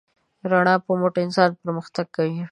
د رڼا په مټ انسان پرمختګ کوي.